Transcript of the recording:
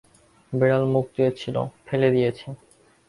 বেড়াল মুখ দিয়েছিল, ফেলে দিয়েছি।